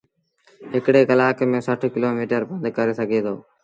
هڪڙي ڪلآڪ ميݩ سٺ ڪلو ميٚٽر پنڌ ڪري سگھي دو۔